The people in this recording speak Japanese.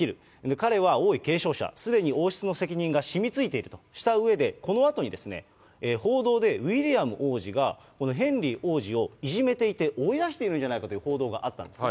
彼は王位継承者、すでに王室の責任がしみついているとしたうえで、このあとに、報道でウィリアム王子が、このヘンリー王子をいじめていて追い出しているんじゃないかという報道があったんですね。